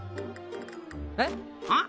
えっ？あっ？